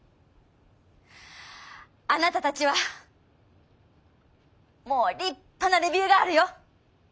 あなたたちはもう立派なレビューガールよ。